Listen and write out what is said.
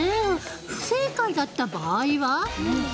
不正解だった場合は。